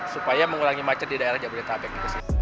supaya mengurangi macet di daerah jabodetabek